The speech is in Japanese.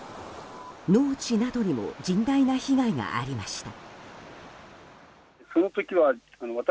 農地などにも甚大な被害がありました。